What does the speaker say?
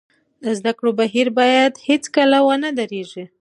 د زده کړې بهیر باید هېڅکله ونه درېږي.